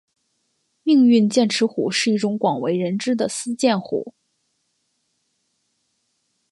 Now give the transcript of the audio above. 命运剑齿虎是一种广为人知的斯剑虎。